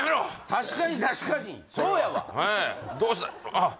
確かに確かにそうやわどうしたあっ